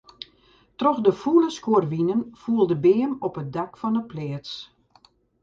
Troch de fûle skuorwinen foel de beam op it dak fan 'e pleats.